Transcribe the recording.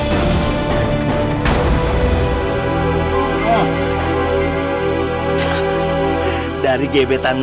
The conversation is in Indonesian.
pokoknya aku harus berani